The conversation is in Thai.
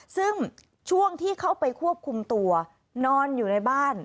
ซึ่งช่วงที่เข้าไปควบคุมตัวนอนอยู่ในบ้าน